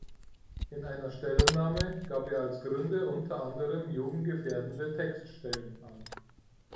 In einer Stellungnahme gab er als Gründe unter anderem jugendgefährdende Textstellen an.